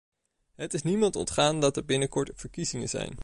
Het is niemand ontgaan dat er binnenkort verkiezingen zijn.